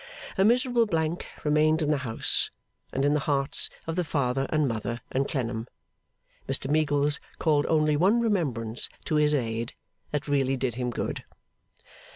A miserable blank remained in the house and in the hearts of the father and mother and Clennam. Mr Meagles called only one remembrance to his aid, that really did him good.